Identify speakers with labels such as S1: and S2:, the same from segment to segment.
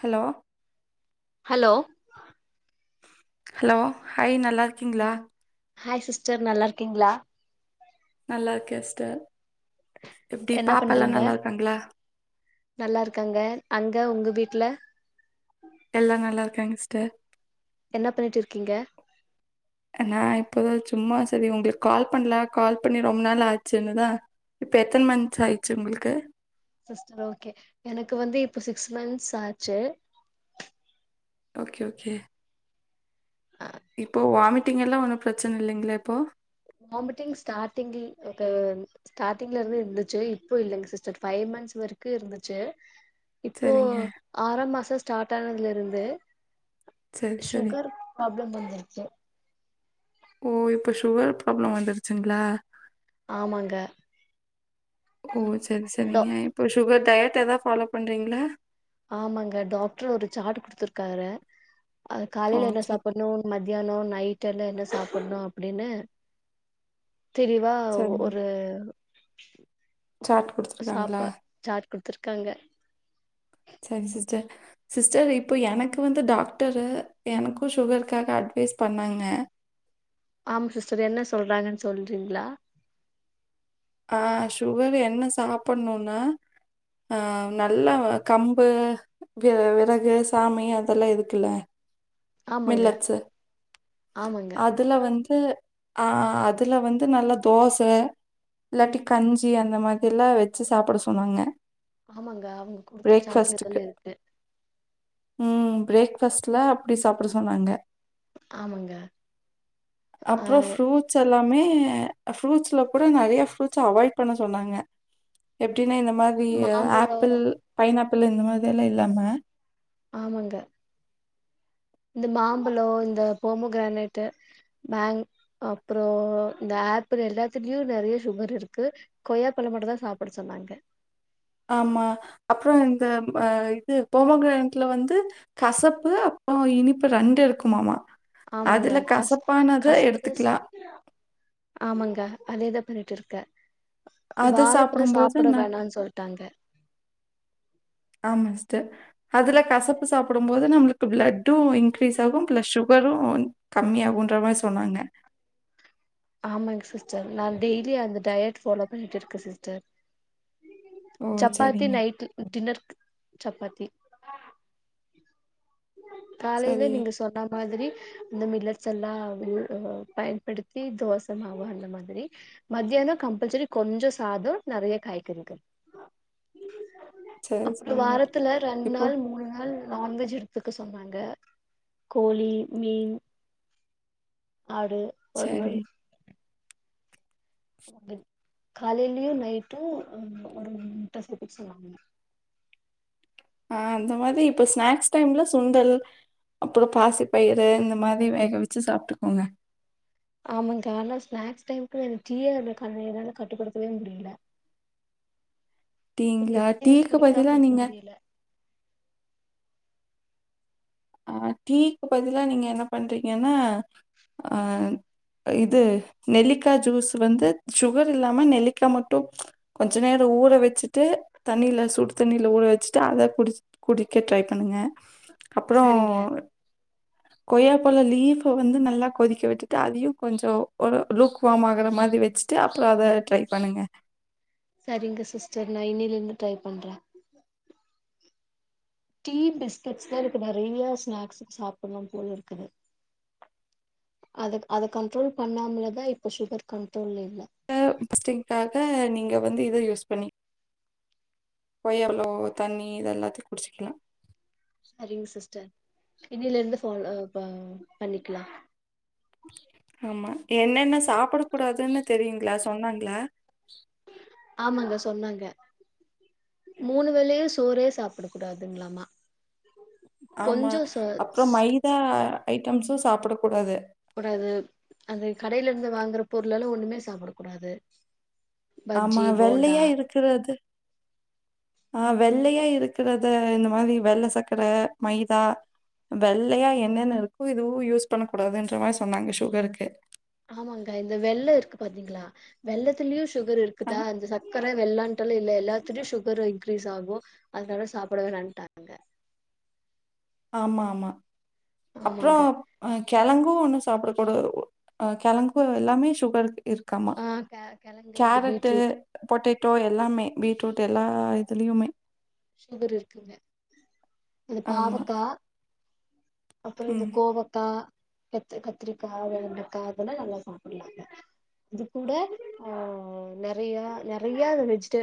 S1: Hello
S2: hello
S1: hello hi நல்லா இருக்கீங்களா
S2: hi sister நல்லா இருக்கீங்களா
S1: நல்லா இரு கேஸ்டர் எப்படி
S2: என்ன
S1: பாப்ப எல்லா
S2: பண்றீங்க
S1: நல்லா இருக்காங்களா
S2: நல்லா இருக்காங்க அங்க உங்க வீட்ல
S1: எல்லா நல்லா இருக்காங்கிஸ்டர்
S2: என்ன பண்ணிட்டு இருக்கீங்க
S1: நான் இப்போதான் சும்மா சரி உங்களுக்கு கால் பண்ணல கால் பண்ணி ரொம்ப நாள் ஆச்சுன்னுதா இப்ப எத்தன மாந்த் ஆயிடுச்சு உங்களுக்கு
S2: சி ஓகே எனக்கு வந்து இப்ப சிக்ஸ் மந்த்ஸ் ஆச்சு
S1: ஓகே ஓகே இப்போ வாமிட்டிங் எல்லா ஒண்ணும் பிரச்சனை இல்லைங்களா இப்போ
S2: வாமிட்டிங் ஸ்டார்டிங் ஸ்டார்டிங்ல இருந்து இருந்துச்சு இப்போ இல்லைங்க சிஸ்டர் ஃபைவ் மான்ஸ் வரைக்கு இருந்துச்சு இப்போ
S1: சரிங்க
S2: ஆறா மாச ஸ்டார்ட் ஆனதுல இருந்து
S1: சரி சரி
S2: சுகர் வந்திருச்சு
S1: ஓ இப்ப சுகர் ப்ராப்ள வந்துருச்சுங்களா
S2: ஆமாங்க
S1: ஓ செரி
S2: டா
S1: செரிங்க இப்போ சுகர் டயட் எதா ஃபாலோ பண்றீங்ளா
S2: ஆமாங்க டாக்டர் ஒரு சாட்டு குடுத்துருக்காரே அவ
S1: ஓ
S2: காலைல என்ன
S1: சரி
S2: சாப்பட்ணு மத் மத்தியான நைட்டல்ல என்ன சாப்டணு அப்டின்னு தெறிவா
S1: சரிங்க
S2: ஒரு [inaudible]
S1: சாட் குடுத்துட்ராங்களா
S2: குடுத்துட்ருக்காங்க
S1: செரி சிஸ்டர் சிஸ்டர் இப்ப எனக்கு வந்து டாக்டரு எனக்கு சுகருக்காக அட்வைஸ் பண்ணாங்க
S2: ஆம் சிஸ்டர் என்ன சொல்றாங்கன் சொல்றிங்ளா
S1: ஆ சுகர் என்ன சாப்பட்ணுனா ஆ நல்லா கம்பு விய விறகு சாமை அதெல்லா இருக்குல்ல
S2: ஆமாங்க
S1: மில்லட்ஸு
S2: ஆமாங்க
S1: அதுல வந் து ஆ அதுல வந்து நல்ல தோச இல்லாட்டி கஞ்சி அந்த மாதிர்லா வச்சு சாப்பிட சொன்னாங்க
S2: ஆமாங்க அவ்ங்க குடுத்த சாட்ல
S1: பிரேக்ஃபாஸ்ட்டுக்கு
S2: இதெல்ல இருக்கு
S1: பிரேக்ஃபஸ்ட்ல அப்டி சாப்ட சொன்னாங்க
S2: ஆமங்க ஆ
S1: லாமே ஃப்ரூட்ஸ்ல போ நெறய ப்ரூட்ஸ் அவாய்ட் பண்ண சொன்னாங்க எப் அப்டினா இந்த மாத்ரி
S2: மாம்பழோ
S1: ஆப்பிள் பைன் அப்பல்ல இந்த மாத்ரில்ல இல்லாம
S2: ஆமாங்க இந்த மாம்பல இந்த போமோ கிரானட்டு மேங் அப்ற இந்த ஆப்பிள் எல்லாத்துலயு நெறய சுகர் இருக்கு கொய்யாபழ மட்டுந்தா சாப்பிட சொன்னாங்க
S1: ஆமா அப்ற இந்த அ இது போமகிரானட்ல வந்து கசப்பு அப்ற இனிப்பு ரெண்டு இருக்குமாமா
S2: ஆமாங்க
S1: அதுல
S2: கசு
S1: கசப்பானதை
S2: கசுப்புது
S1: எடுத்துக்கலாம்
S2: சாப் ஆமாங்க அதேதா பண்ணிட்டு இருக் க
S1: அத சாப்டும்போது ந
S2: சொல்ட்டாங்க
S1: ஆமா சிஸ்டர் அதுல கசப்பு சாப்டும்போது நம்ளுக் ப்ளட்டு இன்க்ரீஸ் ஆகு ப்ளஸ் ஷுகரு கம்மியாகுன்ற மாரி சொன்னாங்க
S2: ஆமாங் சிஸ்டர் நா டெய்லி அந்த டயட் ஃபாலோ பண்ணிட்ருக்கே சிஸ்டர்
S1: ஓ
S2: சப்பாத்தி
S1: சரிங்க
S2: நைட் டின்னர் சப்பாத்தி காலேல
S1: சரி
S2: நீங்க சொன்ன மாதிரி இந்த மில்லடஸ் எல்லாம் ஆ பயன்படுத்தி தோச மாவு அந்த மாதிரி மத்தியானோ கம்பல்சரி கொஞ்சோ சாதொ நறைய காய்கறிகள்
S1: சரி
S2: அப்றோ
S1: சரிங்க
S2: வாரத்துல ரெண்
S1: இப்போ
S2: நாள் மூண் நாள் நான்வெஜ் இருக் க்கு சொன்னாங்க கோழி மீன் ஆடு
S1: சரி
S2: வருவல் காலைலியு நைட்டு ஒரு முட்ட சேத்துக்க சொன்னாங்க
S1: ஆஹ் அந்த மாதி இப்ப ஸ்நாக்ஸ் டைம்ல சுண்டல் அப்பறோ பாசிப்பயிறு இந்த மாதி வேக வெச்சி சாப்ட்டுக்கோங்க
S2: ஆமாங்கா ஆனா ஸ்நாக்ஸ் டைமுக்கு டி யா என்னால கட்டுப்படுத்தவே முடியல அது
S1: டிங்களா
S2: எப்டி
S1: டீக்கு
S2: குடிக்காம
S1: பத்திலா
S2: இருக்க
S1: நீங்க
S2: முடியல
S1: ஆஹ் டீக்கு பதிலா நீங்க என்ன பண்றீங்கன்னா ஆஹ் இது நெல்லிக்கா ஜூஸ் வந்து சுகர் இல்லாம நெல்லிக்கா மட்டு கொஞ்ஜ நேரோ ஊற வச்சுட்டு தண்ணில சுடு தண்ணில ஊற வச்சுட்டு அத குடி குடிக்க ட்ரை பண்ணுங்க அப்றோ
S2: சரிங்க
S1: கொய்யா பழம் லீஃப் வந்து நல்லா கொதிக்க விட்டுட்டு அதயு கொஞ்ஜோ ஒரு லூக் வார்ம் ஆகுற மாதி வச்சுட்டு அப்றோ அத ட்ரை பண்ணுங்க
S2: சரிங்க சிஸ்டர் நா இன்னில இருந்து ட்ரை பண்றே டீ பிஸ்கட்ஸ் தா எனக்கு நெறையா ஸ்நாக்ஸுக்கு சாப்புட்ணு போல இருக்குது அதக் அத கண்ட்ரோல் பண்ணாமலதா இப்ப சுகர் கண்ட்ரோல்ல இருக்
S1: அ ஃபர்ஸ்ட் டைம் க்காக நீங்க வந்து இத யூஸ் பண்ணி ஒயர்லோ தண்ணி இத எல்லாத்தையு குடிச்சிக்கலா
S2: சரிங்க சிஸ்டர் இன்னில இருந்து ஃபால் அ ப பண்ணிக்கிலா
S1: ஆமா என்னென்ன ஸ் சாப்புட கூடாதுன்னு தெரியுங்ளா சொன்னாங்ளா
S2: ஆமாங்க சொன்னாங்க மூணு வேலயு சோறே சாப்புட கூடாதுங்களமா
S1: ஆமா அப்றோ மைதா ஐட்டம்ஸு ஸ் சாப்புடக்கூடாது
S2: கூடாது அது கடையில இருந்து வாங்குற பொருளல்லா ஒண்ணுமே சாப்புட கூடாது
S1: ஆமா
S2: பஜ்ஜி போண்டா
S1: வெள்ளையா இருக்குறது ஆ வெள்ளையா இருக்குறத இந்த மாதிரி வெள்ள சக்கர மைதா வெள்ளையா என்னென்ன இருக்கோ இதுவு யூஸ் பண்ண கூடாதுன்ற மாரி சொன்னாங்க சுகருக்கு
S2: ஆமாங்கா இந்த வெல்லோ இருக்கு பாத்தீங்களா வெல்லத்துலியு ஸ் சுகர்
S1: அ
S2: இருக்குதா இந்த சக்கர வெல்லோ ன் டல இல்ல எல்லாத்துலயு சுகர் இன்க்ரீஸ் ஆகு அதனால சாப்புடவேணாட்டாங்க
S1: ஆமா ஆமா அப்றோ
S2: ஆமாங்க
S1: அ கெழங்கு ஒண்ணு சாப்ட ஒரு அ கெழங்கு எல்லாமே சுகர்க்கு இருக்காமா
S2: ஆ கெ கெழங்கு இந்த
S1: கேரட்டு
S2: பீட்ரூட்
S1: பொட்டே டோ எல்லாமே பீட்ரூட் எல்லா இதுலயுமே
S2: சுகர் இருக்குங்க அந்த
S1: ஆமா.
S2: பாவக்கா அப்றோ இந்த
S1: ம்.
S2: கோவக்கா கத்த கத்திரிக்கா வெண்டக்கா அதெல்லா நல்லா சாப்டுலாங்க அது கூட ஆ நெறையா நெறையா வெஜிடே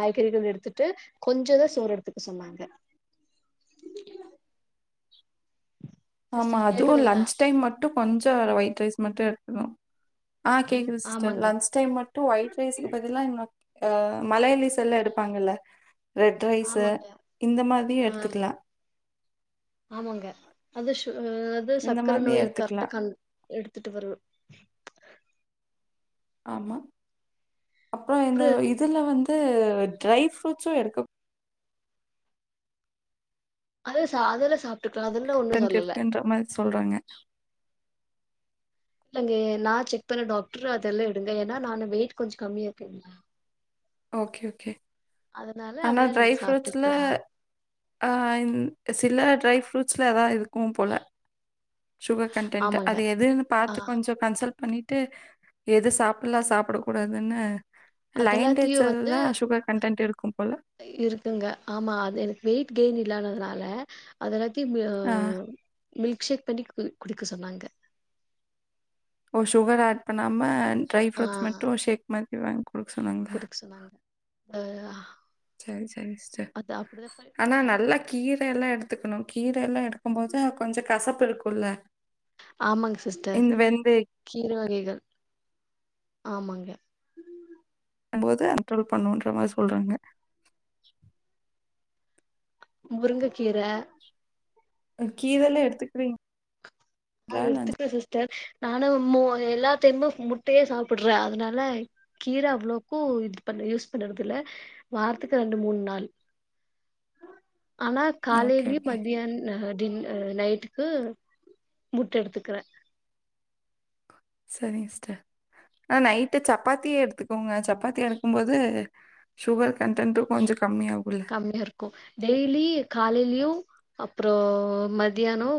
S2: காய்கறிகள் எடுத்துட்டு கொஞ்சதா சோறு எடுத்துக்க சொன்னாங்க
S1: ஆமா
S2: சிஸ்டர்
S1: அதுவு
S2: கேக்குதுங்களா
S1: லன்ச் டைம் மட்டு கொஞ் ட்டு ஒயிட் ரைஸ் மட்டு எடுக்னு ஆ கேக்குது சிஸ்டர்
S2: ஆமாங்க
S1: லஞ்ச் டைம் மட்டு ஒயிட் ரைஸ்க்கு பதிலா இன்னு அ மலையாளிஸ் எல்லா எடுப்பாங்கல்ல ரெட் ரைஸு
S2: ஆமாங்க
S1: இந்த மாதியு
S2: ஆ
S1: எடுத்துக்லா
S2: ஆமாங்க அது ஷு ஆ அது
S1: இந்த
S2: சக்கர
S1: மாதிரியும்
S2: நோய் கர்ட்டா
S1: எடுத்துக்கலாம்.
S2: கண் எடுத் துட்டு வரு
S1: ஆமா அப்றோ இந்த
S2: அப்புறோ
S1: இதுல வந் டிரை ஃப்ரூட்ஸு எடுக்கப்
S2: அது சாதெல்ல சாப்
S1: ரெண்ட் எடுத்தேன்றா மாறி சொல்றாங்க
S2: இல்லங்க நா செக் பண்ண டாக்ட்ர் அதெல்லா எடுங்க ஏனா நானு வெயிட் கொஞ்ச கம்மியா இருக்க
S1: ஓகே ஓகே
S2: அதனால அதுல நீங்க சாப்ட்டுக்லா
S1: ஆஹ் இந் சில ட்ரை ஃப்ரூட்ஸ்ல எதா இருக்கூ போல சுகர் கண்டன்ட்
S2: ஆமாங்க
S1: அது எதுனு
S2: ஆ
S1: பாத்து கொஞ்சோ கன்சல் பண்ணிட்டு எது சாப்லா சாப்புட கூடாதுன்னு
S2: அதெல்லாத்தையு
S1: லைன்டேட்ஸ்
S2: வந்து
S1: எல்லா சுகர் கண்டெண்ட் இருக்
S2: இருக்குங்க ஆமா அது எனக் வெயிட் கெய்ன் இல்லானதுனால அதெல்லா தி ஆஹ் மில்க் ஷேக் பண்ணி குதி குடிக்க சொன்னாங்க
S1: ஓ சுகர் ஆட் பண்ணாம ட்ரை ஃப்ரூட்ஸ் மட்டு சேக் மா இவங் குடுக் சொன்
S2: குடுக் சொன்னாங்க அ
S1: சரி சரிங் சிஸ்டர்
S2: அது அப்டிதா ப
S1: ஆனா நல்லா கீரையேல்லா எடுத் எடுத்துக்கனு கீரையேல்லா எடுக் இருக்கும் போது கொஞ்சோ கசப் ப்பு இருக்குள்ள
S2: ஆமாங்க சிஸ்டர் கீர வகைகள் ஆமாங்க
S1: போது கண்ட்ரோல் பண்ணுன்ற மாரி சொல்றாங்க
S2: முருங்க கீர
S1: கீரல்லா எடுத்துக்றீங்
S2: ஆஹ் எடுத்துக்ற சிஸ்டர் நானு மு எல்லாத்தையமு முட்டையே சாப்பிடுற அதனால கீர அவ்ளோக்கு இது பண்ண யூஸ் பண்ணறதுல வாரத்துக்கு ரண்டு மூண் நாள் ஆனா
S1: ஓகே
S2: காலைலியு
S1: ஓகே
S2: மத்தியான் அஹ தின் நைட்டுக்கு முட்ட எடுத்துக்கற
S1: சரிங்க சிஸ்டர் ஆ நைட்டு சப்பாத்தியே எடுத்துக்கோங்க சப்பாத்தி எடுக்கும் போது சுகர் கன்டன்ட்டு கொஞ்ச
S2: கம்மியாருக்கு டெய்லி காலைலியு அப் றோ மத்தியானோ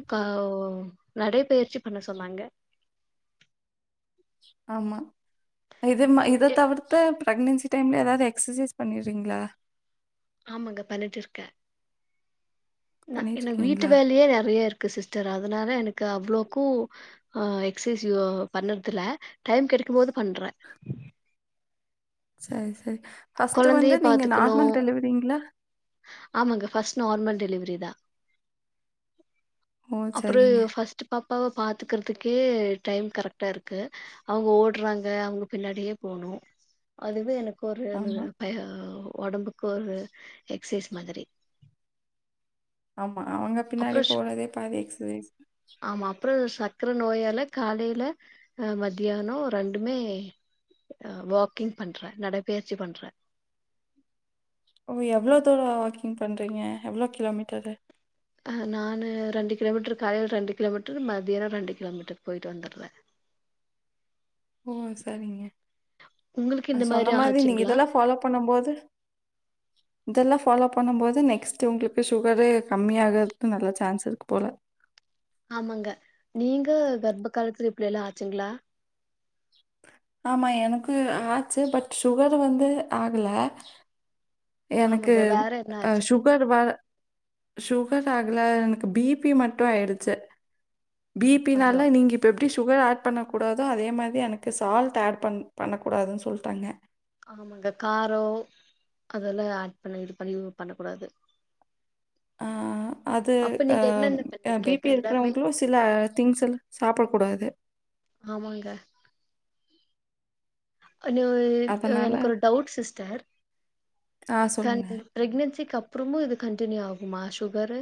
S2: நடைபயிற்சி பண்ண சொன்னாங்க
S1: ஆமா இது ம இத
S2: எ
S1: தவர்த்து ப்ரெக்னன்சி டைம்ல ஏதாது எக்ஸசைஸ் பண்ணிடுறீங்களா
S2: ஆமாங்க பண்ணிட்டு இருக்க ந எனக்கு வீட்டு
S1: பண்ணிட்டுருக்கீங்களா?
S2: வேலையே நெறய இருக்கு கு சிஸ்டர் அதனால எனக்கு அவ்ளோக்கு ஹ எக்சைஸ் யோ பண்ணறதுல டைம் கெடிக்கும்போது பண்ற
S1: சரி சரி ஃபர்ஸ்டடு வந்து
S2: கொழந்தைய
S1: நீங்க
S2: பாத்துக்கணு
S1: நார்மல் டெலிவரிங்ளா
S2: ஆமாங்க பஸ்ட் நார்மல் டெலிவரி தா
S1: ஓ!
S2: அப்புறு
S1: சரிங்க.
S2: ஃபர்ஸ்ட்டு பா ப்பாவ பாத்துக்கறதுக்கே டைம் கரக்டாருக்கு அவுங்க ஓடுறாங்க அவுங்க பின்னாடியே போணு அதுவே எனக் கொரு
S1: ஆமா,
S2: பாய ஒடம்புக்கு ஒரு எக்ஸைஸ் மாதிரி
S1: ஆமா அவங்க
S2: அப்றோ
S1: பின்னாடி
S2: ஷ்
S1: போறதே பாதி எக்ஸசைஸ்
S2: கர நோயால காலைல அஹ் மத்தியானோ ரண்டுமே ஹ வாக்கிங் பண்றே நடைபயிற்சி பண்றே
S1: எவ்ளோ தூர வாக்கிங் பண்றீங்க எவ்ளோ கிலோமீட்டரு
S2: ஆஹ் நானு ரண்டு கிலோமீட்ரு காலைல ரண்டு கிலோமீட்ரு மதியான ரண்டு கிலோமீட்டர் போயிட்டு வந்தற்ற
S1: ஓ சரிங்க
S2: உங்களுக்கு இந்த மாரி
S1: சொன்ன மாதிரி நீங்க
S2: ஆச்சுங்களா
S1: இதல்லா ஃபாலோ பண்ணும்போது இதல்லா பாலோ பண்ணம்போது நெக்ஸ்ட்டு உங்குளுக்கு சுகரு கம்மியாகரதுக்கு நல்ல சான்ஸ் இருக்கு போல
S2: ஆமாங்க நீங்க கர்ப்ப காலத்துல இப்டியெல்லா ஆச்சிங்ளா
S1: ஆமா எனக்கு ஆச்சு பட் சுகர் வந்து ஆகல எனக்கு
S2: ஆமாங்க வேற என்ன
S1: அஹ
S2: ஆச்சு
S1: சுகர் வர சுகர் ஆகல எனக்கு பிபி மட்டு ஆயிடுச்சு
S2: ஐயோ
S1: பிபினால நீங்க இப்ப எப்டி சுகர் ஆட் பண்ணக்கூடாதோ அதே மாதி எனக்கு சால்ட் ஆட் பண் பண்ணக்கூடாதுன்னு சொல்ட்டாங்க
S2: ஆமாங்க காரோ அதெல்லா ஆட் பண்ண இது பண்ணி பண்ண கூடாது
S1: ஆஹ அது
S2: அப்ப
S1: அ
S2: நீங்க என்னென்ன
S1: அ
S2: பண்ணீங்க
S1: பி பி
S2: எல்லாமே
S1: இருக்கிறவங்களு சில திங்ஸ் எல்லா சாப்படக் கூடாது
S2: ஆமாங்க ஒன்னு அ
S1: அதனால
S2: எனக்கொரு டவ்ட் சிஸ்டர்
S1: ஆ
S2: கன்
S1: சொல்லுங்க
S2: பிரெக்னெசிக்கப் அப்புறமு இது கண்டினியூ ஆகுமா சுகரு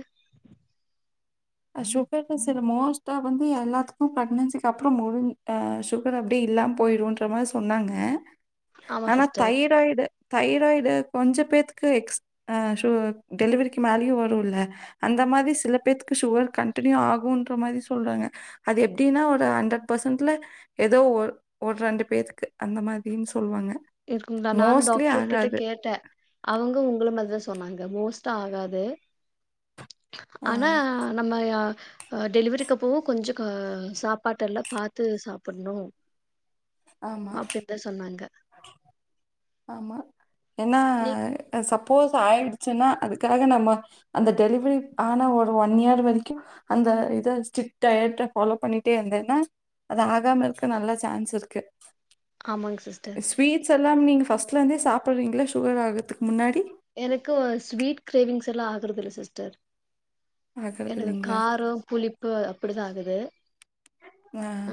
S1: அ சுகர்ல சில மோஸ்ட்டா வந்து எல்லாத்துக்கு ப்ரெக்னென்சிக்கு அப்புற முடிஞ் அ சுகர் அப்டி இல்லாம் போயிடுன்ற மாரி சொன்னாங்க
S2: ஆமா
S1: ஆனா
S2: சிஸ்டர்
S1: தைராய்டு தைராய்டு கொஞ்ச பேத்துக்கு எக்ஸ் அ சு டெலிவரிக்கு மேலயு வருல்ல அந்த மாதி சில பேத்துக் கு சுகர் கன்டினியூ ஆகுன்ற மாதி சொல்றாங்க அது எப்டின்னா ஒரு ஹன்ரட் பெர்சன்ட்ல ஏதோ ஒர் ஒரு ரெண்டு பேத்துக்கு அந்த மாதின்னு சொல்லுவாங்க
S2: [unintelligible] நானு
S1: மோஸ்ட்லி
S2: டாக்ட்ரு கிட்ட
S1: ஆகாது.
S2: கேட்ட அவுங்க உங்கள மாரிதா சொன்னாங்க மோஸ்ட்டா ஆகாது
S1: ஆ
S2: ஆனா நம்ம யா அ டெலிவரிக்கப்பவு கொஞ்ச க சாப்பாட்டல்லா பாத்து சாப்புட்ணு
S1: ஆமா,
S2: அப்டின்தா சொன்னாங்க
S1: ஆமா என்னா
S2: நீ
S1: அ சப் போஸ் ஆயிடுச்சுன்னா அதுக்காக நம்ம அந்த டெலிவரி ஆன ஒரு ஒன் இயர் வரைக்கு அந்த இத ஸ்டிட் டயட்ட ஃபாலோ பண்ணிட்டே இருந்தேன்னா அது ஆகாம இருக்க நல்லா சான்ஸ் இருக்கு
S2: ஆமாங்க சிஸ்டர்
S1: ஸ்வீட்ஸ் எல்லாம் நீங்க ஃபஸ்ட்லேந்தே சாப்புர்றீங்கல்ல சுகர் ஆகற்துக் முன்னாடி
S2: எனக்கு ஒ ஸ்வீட் க்ரேவிங்ஸ் எல்லா ஆகுறது இல்ல சிஸ்டர்
S1: ஆகுறது
S2: எனக்கு
S1: இல்லைங்களா?
S2: காரோ புளிப்பு அப்டிதா ஆகுது
S1: ஙா
S2: ஆ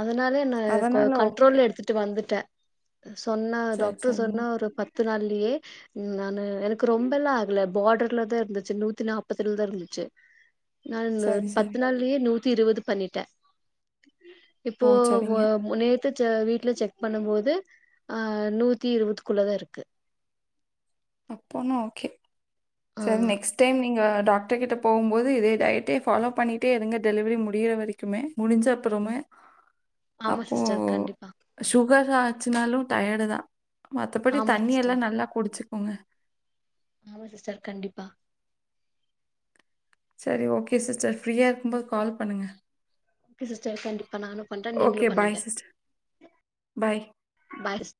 S2: அதனால என்ன கோ கண்ட்ரோல்ல எடுத்துட்டு வந்துட்டே சொன்ன
S1: சரி,
S2: டாக்டர்
S1: சரிங்க.
S2: சொன்ன ஒரு பத் து நாள்லயே ம் நானு எனக்கு ரொம்ப எல்லா ஆகல பார்டர்லதா இருந்துச்சு நூத்தி நாப்பதுலதா இருந்துச்சு நா இந்த
S1: சரி, சரி.
S2: பத்து நாள்லயே நூத் தி இருவது பண்ணிட்டே
S1: ஓ!
S2: இப்போ ஓ
S1: சரிங்க.
S2: நேத் து செ வீட்ல செக் பண்ணும்போது அ நூத்தி இருவதுகுள்ளதா இருக்கு
S1: அப்பனா ஓகே
S2: ஆ
S1: சரி நெக்ஸ்ட் டைம் நீங்க டாக்டர்கிட்ட போகும்போது இதே டயட்டே ஃபாலோ பண்ணிட்டே இருங்க டெலிவரி முடியிற வரைக்குமே முடிஞ்ச அப்புறமே
S2: ஆமா
S1: அப்போ
S2: சிஸ்டர் கண்டிப்பா
S1: சு கர் ஆச்சுனாலு டயர்டுதா மத்தபடி
S2: ஆமா
S1: தண்ணி எல்லா
S2: சிஸ்டர்
S1: நல்லா குடிச்சு கோங்க
S2: ஆமா சிஸ்டர் கண்டிப்பா
S1: சரி ஓகே சிஸ்டர் ஃப்ரீயா இருக்கும்போது கால் பண்ணுங்க.
S2: ஒகே சிஸ்டர் கண்டிப்பா நானு பண்றே நீங்களு
S1: ஓகே
S2: பண்ணுங்க
S1: பாய் சிஸ்டர். பாய்.
S2: பாய்